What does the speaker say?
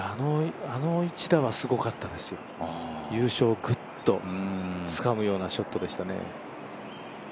あの一打はすごかったですよ、優勝をぐっとつかむようなショットでしたね。